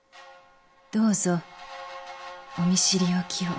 どうぞお見知りおきを。